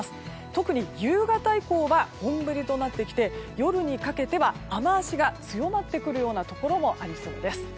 特に夕方以降は本降りとなってきて夜にかけては雨脚が強まってくるようなところもありそうです。